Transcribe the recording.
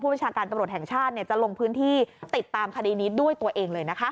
ประชาการตำรวจแห่งชาติจะลงพื้นที่ติดตามคดีนี้ด้วยตัวเองเลยนะคะ